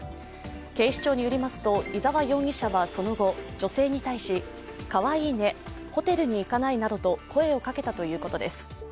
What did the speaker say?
警視庁によりますと、伊沢容疑者はその後、女性に対し、かわいいねホテルに行かないなどと声をかけたということです。